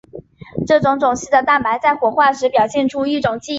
这个种系的蛋白在活化时表现出一种记忆效应。